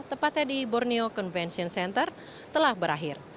tepatnya di borneo convention center telah berakhir